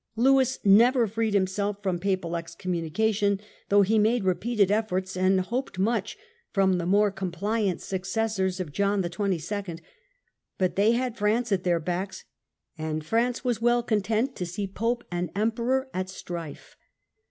Lewis never freed himself from Papal excommunication, though he made repeated efforts and hoped much from the more compliant successors of John XXII. ; but they had France at their backs, and France was well content to see Pope and Emperor at strife.